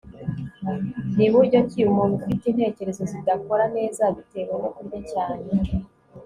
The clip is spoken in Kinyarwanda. ni buryo ki umuntu ufite intekerezo zidakora neza bitewe no kurya cyane